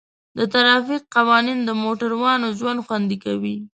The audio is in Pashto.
د ټرافیک قوانین د موټروانو ژوند خوندي کوي.